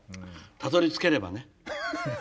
たどりつければ。